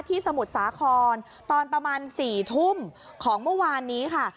สมุทรสาครตอนประมาณ๔ทุ่มของเมื่อวานนี้ค่ะ